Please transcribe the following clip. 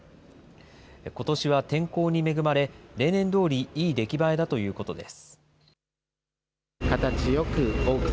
ことしは天候に恵まれ、例年どおり、いい出来栄えだということです。